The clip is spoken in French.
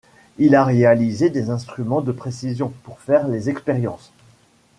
Il a réalisé des instruments de précision pour faire les expériences.